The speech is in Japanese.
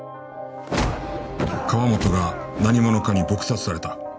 川本が何者かに撲殺された。